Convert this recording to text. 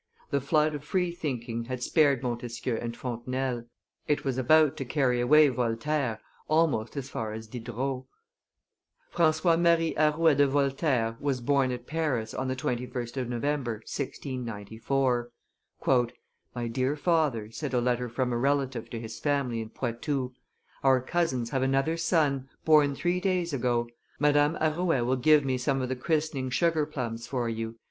The flood of free thinking had spared Montesquieu and Fontenelle; it was about to carry away Voltaire almost as far as Diderot. [Illustration: Voltaire 277] Francois Marie Arouet de Voltaire was born at Paris on the 21st of November, 1694. "My dear father," said a letter from a relative to his family in Poitou, "our cousins have another son, born three days ago; Madame Arouet will give me some of the christening sugar plums for you.